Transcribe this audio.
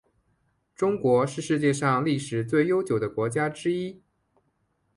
中国是世界上历史最悠久的国家之一。